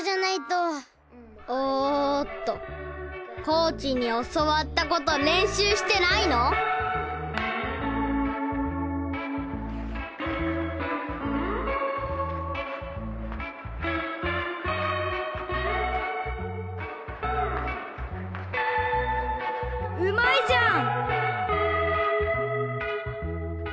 おっとコーチに教わったことれんしゅうしてないの⁉うまいじゃん！